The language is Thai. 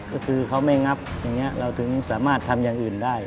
ก็คือเขาไม่งับอย่างนี้เราถึงสามารถทำอย่างอื่นได้